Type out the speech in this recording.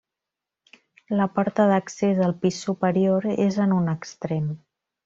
La porta d'accés al pis superior és en un extrem.